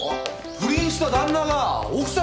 不倫した旦那が奥さんに協力！？